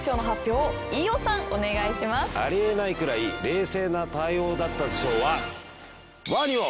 ありえないくらい冷静な対応だったで賞は。